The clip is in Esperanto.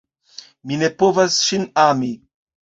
Mi ne povas ŝin ami!